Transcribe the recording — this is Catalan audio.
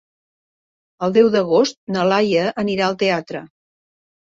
El deu d'agost na Laia anirà al teatre.